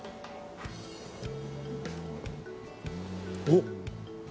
おっ！